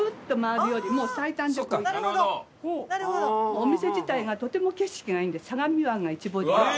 お店自体がとても景色がいいんで相模湾が一望できます。